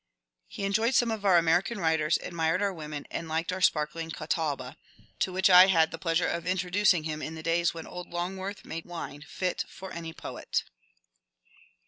He enjoyed some of our American writers, admired our women, and liked our sparkling Catawba, to which I had the pleasure of introducing him in the days when old Longworth made wine fit for any poet.